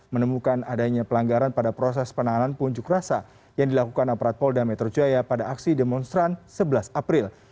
menemukan adanya pelanggaran pada proses penanganan punjuk rasa yang dilakukan aparat polda metro jaya pada aksi demonstran sebelas april